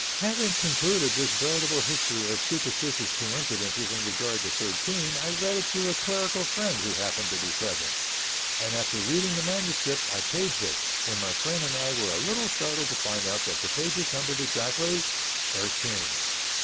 Having concluded this veritable history of superstitious coincidences in regard to thirteen, I read it to a clerical friend, who happened to be present; and after reading the manuscript, I paged it, when my friend and I were a little startled to find that the pages numbered exactly thirteen.